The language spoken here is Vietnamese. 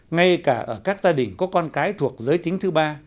ngay cả ở các gia đình có con cái thuộc giới tính thứ ba